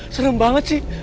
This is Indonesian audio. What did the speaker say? serem banget sih